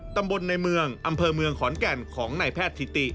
ตำบลในเมืองอำเภอเมืองขอนแก่นของนายแพทย์ถิติ